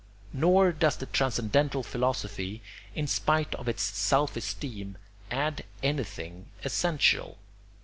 Nor does the transcendental philosophy, in spite of its self esteem, add anything essential.